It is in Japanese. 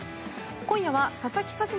今夜は佐々木一真